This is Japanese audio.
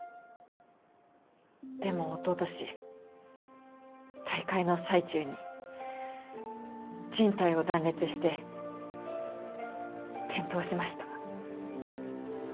でもおととし大会の最中に靱帯を断裂して転倒しました。